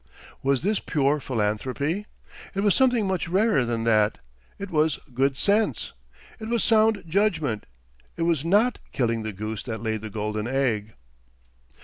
Was this pure philanthropy? It was something much rarer than that it was good sense. It was sound judgment. It was not killing the goose that laid the golden egg.